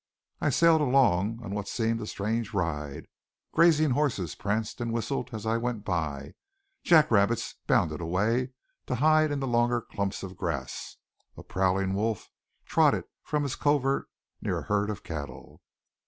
I sailed along on what seemed a strange ride. Grazing horses pranced and whistled as I went by; jack rabbits bounded away to hide in the longer clumps of grass; a prowling wolf trotted from his covert near a herd of cattle.